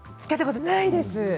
使ったことないです。